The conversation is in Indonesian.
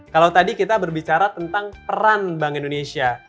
kalau tadi kita berbicara tentang peran bank indonesia